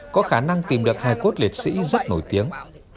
có khả năng tìm được hải cốt lịch sĩ rất nổi tiếng